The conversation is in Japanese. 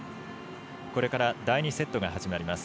これから第２セットが始まります。